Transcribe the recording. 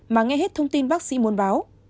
mà nghe hết thông tin bác sĩ muốn báo